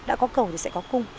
đã có cầu thì sẽ có cung